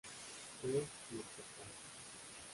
En: "El Espectador".